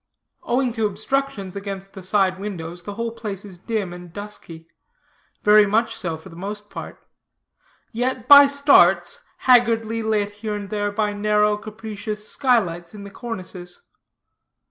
Owing to obstructions against the side windows, the whole place is dim and dusky; very much so, for the most part; yet, by starts, haggardly lit here and there by narrow, capricious sky lights in the cornices.